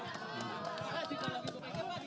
terima kasih pak